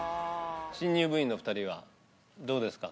新入部員の２人は、どうですか？